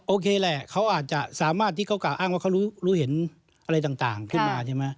โอเคแหละเขาอาจจะสามารถที่เขากล่าวอ้างว่าเขารู้เห็นอะไรต่างขึ้นมาใช่ไหม